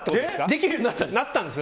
できるようになったんです。